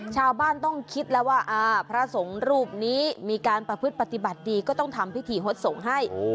ชาวบ้านต้องคิดแล้วว่าพระสงฆ์รูปนี้มีการประพฤติปฏิบัติดีก็ต้องทำพิธีฮดส่งให้